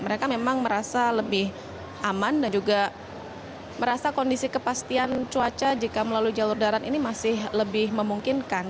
mereka memang merasa lebih aman dan juga merasa kondisi kepastian cuaca jika melalui jalur darat ini masih lebih memungkinkan